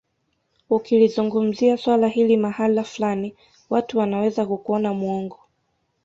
Ukilizungumzia swala hili mahala fulani watu wanaweza kukuona muongo